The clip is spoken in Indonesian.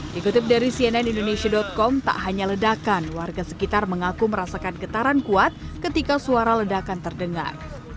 dikutip dari cnn indonesia com tak hanya ledakan warga sekitar mengaku merasakan getaran kuat ketika suara ledakan terdengar